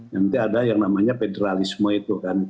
nanti ada yang namanya federalisme itu kan